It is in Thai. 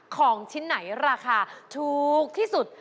ของชิ้นไหนราคาถูกที่สุด